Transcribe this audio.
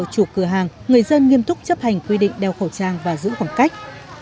chủ cửa hàng người dân nghiêm túc chấp hành quy định đeo khẩu trang và giữ khoảng cách